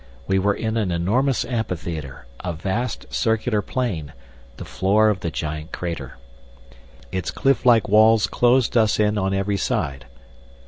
We were in an enormous amphitheatre, a vast circular plain, the floor of the giant crater. Its cliff like walls closed us in on every side.